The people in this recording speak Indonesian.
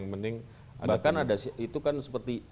mending bahkan ada itu kan seperti